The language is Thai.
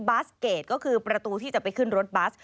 บาสเกจก็คือประตูที่จะไปขึ้นรถบัส